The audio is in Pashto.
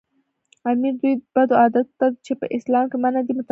امیر دوی بدو عادتونو ته چې په اسلام کې منع دي متوجه کړل.